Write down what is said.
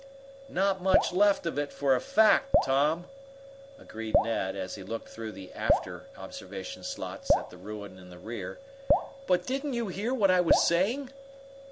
"Not much left of it, for a fact, Tom," agreed Ned, as he looked through the after observation slots at the ruin in the rear. "But didn't you hear what I was saying?"